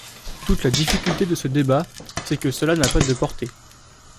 Toute la difficulté de ce débat, c’est que cela n’a pas de portée.